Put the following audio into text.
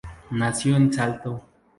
Nació en Salto.